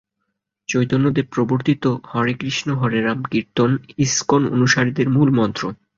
চৈতন্যদেব প্রবর্তিত ‘হরে কৃষ্ণ হরে রাম’ কীর্তন ইসকন অনুসারীদের মূল মন্ত্র।